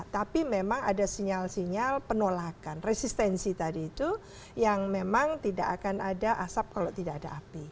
tapi memang ada sinyal sinyal penolakan resistensi tadi itu yang memang tidak akan ada asap kalau tidak ada api